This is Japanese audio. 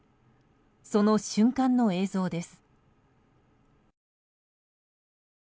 その瞬間の映像です。